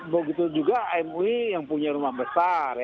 begitu juga mui yang punya rumah besar